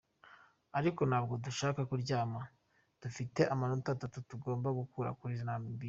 Ariko ntabwo dushaka kuryama, dufite amanota atatu tugomba gukura kuri Namibia.